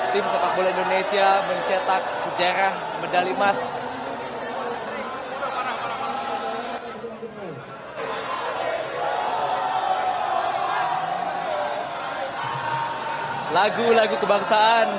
tim sepakul indonesia mencetak sejarah medali emas